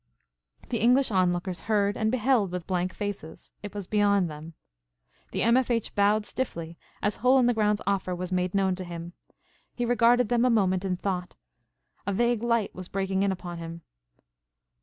The English onlookers heard and beheld with blank faces. It was beyond them. The M. F. H. bowed stiffly as Hole in the Ground's offer was made known to him. He regarded them a moment in thought. A vague light was breaking in upon him.